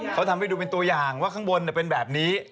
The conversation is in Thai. เขาทำให้ดูเป็นตัวอย่างว่าข้างบนเป็นแบบนี้